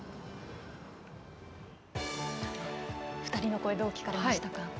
２人の声どう聞かれましたか？